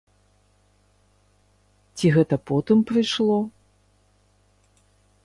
Ці гэта потым прыйшло?